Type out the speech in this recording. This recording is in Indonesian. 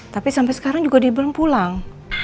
tapi sampai sekarang juga dia belum pulang